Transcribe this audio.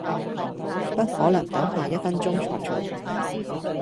不可能等下一分鐘才做